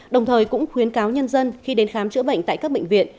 đồng thời cũng khuyến cáo nhân dân khi đến khám chữa bệnh tại các bệnh viện